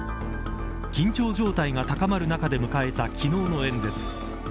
緊張状態が高まる中で迎えた昨日の演説。